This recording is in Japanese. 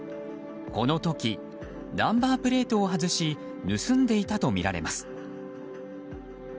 この時、ナンバープレートを外し盗んでいたとみられます。